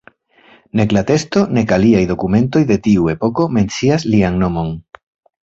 Nek la teksto, nek aliaj dokumentoj de tiu epoko mencias lian nomon.